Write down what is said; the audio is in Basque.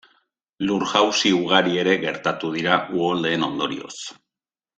Lur-jausi ugari ere gertatu dira uholdeen ondorioz.